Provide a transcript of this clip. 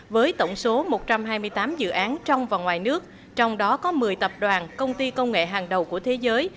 với tổng số một trăm hai mươi tám dự án trong và ngoài nước trong đó có một mươi tập đoàn công ty công nghệ hàng đầu của thế giới